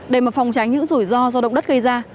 để mà phòng tránh những rủi ro do động đất gây ra